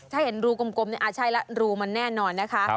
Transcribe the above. ถ้าเห็นรูกลมใช่แล้วรูมันแน่นอนนะคะ